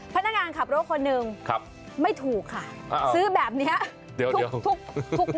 พนักงานขับรถคนหนึ่งไม่ถูกค่ะซื้อแบบนี้ทุกทุก